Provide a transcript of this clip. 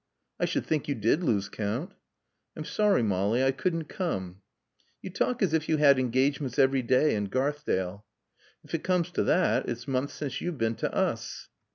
"I should think you did lose count!" "I'm sorry, Molly. I couldn't come." "You talk as if you had engagements every day in Garthdale." "If it comes to that, it's months since you've been to us."